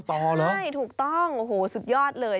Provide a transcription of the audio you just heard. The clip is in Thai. ใช่ถูกต้องสุดยอดเลย